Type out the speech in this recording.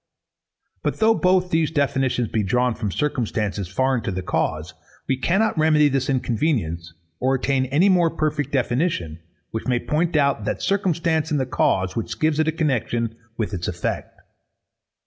_ But though both these definitions be drawn from circumstances foreign to the cause, we cannot remedy this inconvenience, or attain any more perfect definition, which may point out that circumstance in the cause, which gives it a connexion with its effect.